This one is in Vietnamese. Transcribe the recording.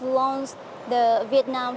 văn hóa việt nam